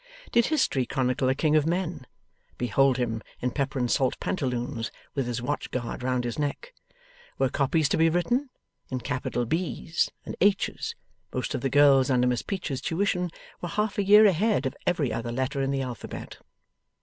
Did History chronicle a king of men? Behold him in pepper and salt pantaloons, with his watch guard round his neck. Were copies to be written? In capital B's and H's most of the girls under Miss Peecher's tuition were half a year ahead of every other letter in the alphabet.